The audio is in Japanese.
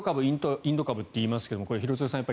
インド株って言いますけど廣津留さん